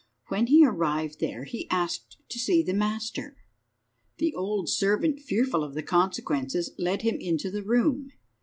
When he arrived there he asked to see the master. The old servant, fearful of the consequences, led him into the room.